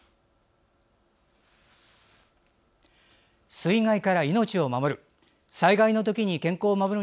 「水害から命を守る」。